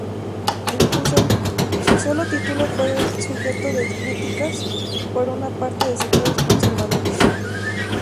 Incluso su sólo título fue sujeto de críticas por una parte de sectores conservadores.